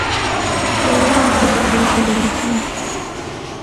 Pueden empezar las celebraciones…